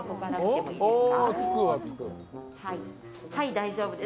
はい、大丈夫です。